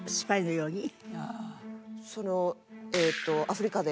そのえっとアフリカで？